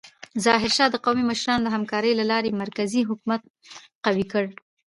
ظاهرشاه د قومي مشرانو د همکارۍ له لارې مرکزي حکومت قوي کړ.